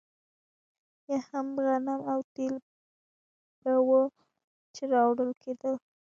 یا هم غنم او تېل به وو چې راوړل کېدل.